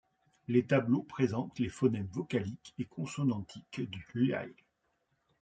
Les tableaux présentent les phonèmes vocaliques et consonantiques du hlai.